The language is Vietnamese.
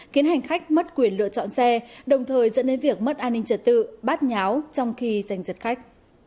khiến hành khách mất quyền lựa chọn xe đồng thời dẫn đến việc mất an ninh trật tự bắt nháo trong khi dành dật khách